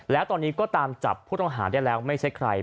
แล้วตอนนี้ก็ตามจับผู้ต้องหาได้แล้วไม่ใช่ใคร